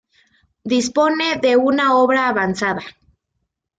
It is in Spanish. Dispone de una obra avanzada.